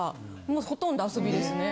もうほとんど遊びですね。